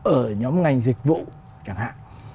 ở nhóm ngành dịch vụ chẳng hạn